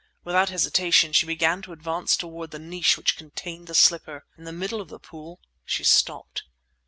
Without hesitation she began to advance toward the niche which contained the slipper. In the middle of the pool she stopped.